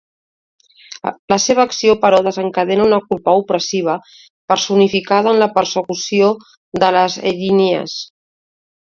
La seva acció, però, desencadena una culpa opressiva, personificada en la persecució de les erínies.